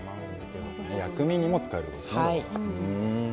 薬味にも使えるわけですね。